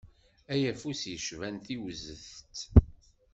Ay afus yecban tiwzet.